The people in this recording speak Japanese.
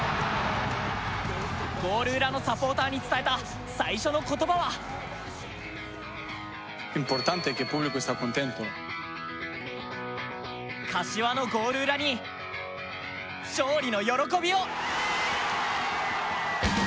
ゴール裏のサポーターに伝えた最初の言葉は柏のゴール裏に勝利の喜びを。